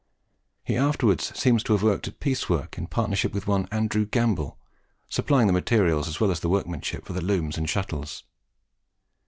He afterwards seems to have worked at piece work in partnership with one Andrew Gamble supplying the materials as well as the workmanship for the looms and shuttles.